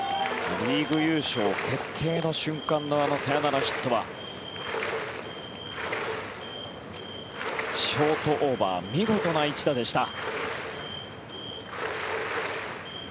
リーグ優勝決定の瞬間のあのサヨナラヒットはショートオーバー見事な一打でした。